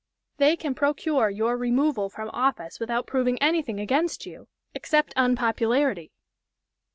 "They can procure your removal from office without proving anything against you except unpopularity."